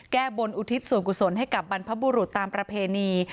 แก้บนอุทิศส่วนกุศลให้กับบรรพบุรุษตามประเพณี